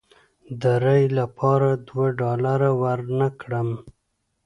د رایې لپاره دوه ډالره ورنه کړم.